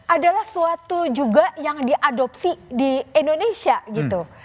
adalah suatu juga yang diadopsi di indonesia gitu